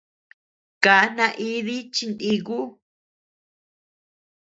Kaa naidi chi niku.